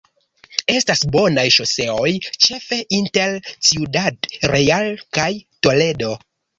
Estas bonaj ŝoseoj ĉefe inter Ciudad Real kaj Toledo.